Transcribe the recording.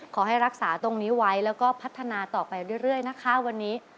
ขอให้รักษาตรงนี้ไว้แล้วก็พัฒนาต่อไปเรื่อยนะคะวันนี้